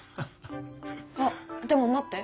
あっでも待って！